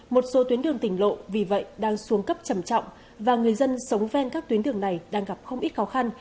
một số tuyến đường tỉnh lộ vì vậy đang xuống cấp trầm trọng và người dân sống ven các tuyến đường này đang gặp không ít khó khăn